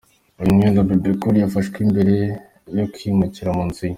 Uyu mwenda Bebe Cool yawufashe mbere yo kwimukira mu nzu ye.